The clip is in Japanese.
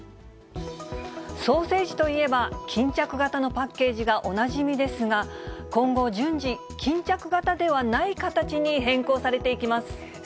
ソーセージといえば巾着型のパッケージがおなじみですが、今後、順次、巾着型ではない形に変更されていきます。